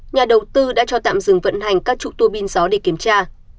nhà đầu tư đã cho tạm dừng vận hành các trụ tua pin giáo để kiểm tra